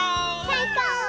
さいこう！